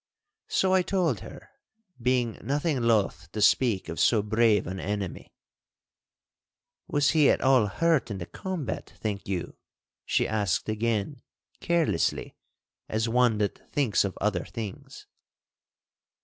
So I told her, being nothing loth to speak of so brave an enemy. 'Was he at all hurt in the combat, think you?' she asked again, carelessly, as one that thinks of other things.